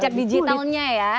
tidak ada jejak digitalnya ya